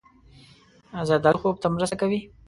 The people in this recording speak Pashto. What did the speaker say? زردالو خوب ته مرسته کوي.